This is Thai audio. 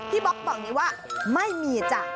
บ๊อบบอกอย่างนี้ว่าไม่มีจ้ะ